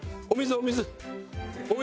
お水お水。